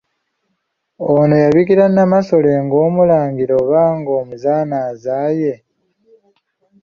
Ono y'abikira Nnamasole ng'omulangira oba omuzaana azaaye?